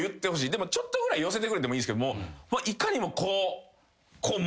でもちょっとぐらい寄せてくれてもいいですけどいかにもこう。